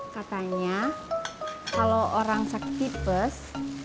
katanya kalau orang sakit tipes